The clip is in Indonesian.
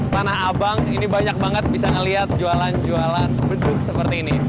tanah abang ini banyak banget bisa ngeliat jualan jualan beduk seperti ini